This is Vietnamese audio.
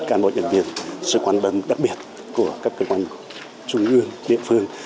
cán bộ nhân viên sự quan tâm đặc biệt của các cơ quan trung ương địa phương